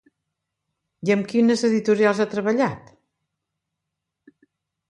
I amb quines editorials ha treballat?